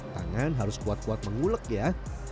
tangan harus kuat kuat mengulek ya